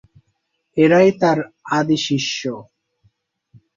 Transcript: এঁরাই তাঁর আদি শিষ্য।